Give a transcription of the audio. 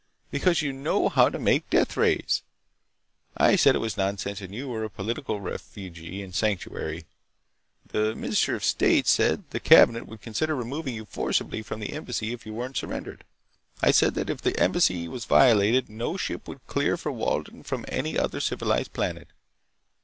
Because you know how to make deathrays. I said it was nonsense, and you were a political refugee in sanctuary. The Minister of State said the Cabinet would consider removing you forcibly from the Embassy if you weren't surrendered. I said that if the Embassy was violated no ship would clear for Walden from any other civilized planet.